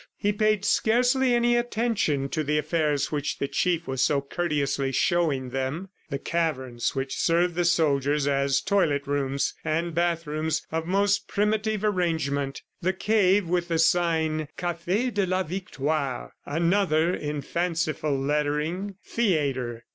He paid scarcely any attention to the affairs which the Chief was so courteously showing them the caverns which served the soldiers as toilet rooms and bathrooms of most primitive arrangement, the cave with the sign, "Cafe de la Victoire," another in fanciful lettering, "Theatre."